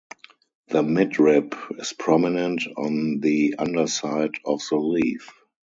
The midrib is prominent on the underside of the leaf.